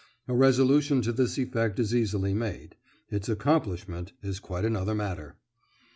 A resolution to this effect is easily made; its accomplishment is quite another matter.